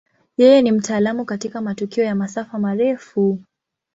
Yeye ni mtaalamu katika matukio ya masafa marefu.